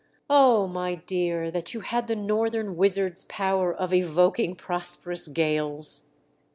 O, my dear, that you had the northern wizard's power of evoking prosperous gales